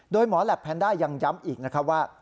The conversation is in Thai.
โดยหมอแหลปแพนด้ายังย้ำอีกนะครับว่า